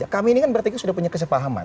kami ini kan berarti sudah punya kesepahaman